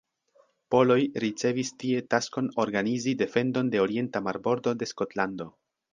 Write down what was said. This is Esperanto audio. Poloj ricevis tie taskon organizi defendon de orienta marbordo de Skotlando.